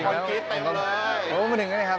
โอเคครับมีพวกมันถึงแล้วครับ